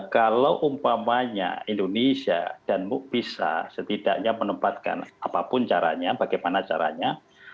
kalau umpamanya indonesia dan mukbisa setidaknya menempatkan apapun caranya bagaimana caranya